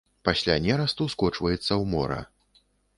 Пасля нерасту скочваецца ў мора.